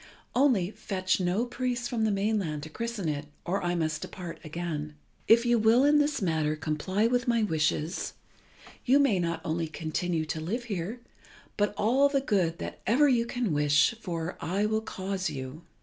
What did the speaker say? Only, fetch no priest from the mainland to christen it, or I must depart again. If you will in this matter comply with my wishes, you may not only continue to live here, but all the good that ever you can wish for I will cause you.